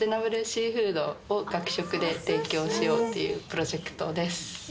シーフードを学食で提供しようっていうプロジェクトです。